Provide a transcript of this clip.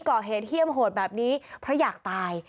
เกาะเหตุเฮียมโหดแบบนี้เพราะอยากตาย